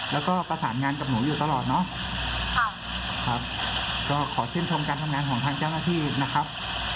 แล้วก็ประสานงานกับหนูอยู่ตลอดเนอะค่ะครับก็ขอชื่นชมการทำงานของทางเจ้าหน้าที่นะครับ